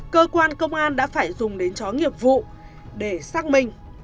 cơ quan công an đã phải dùng đến chó nghiệp vụ để xác minh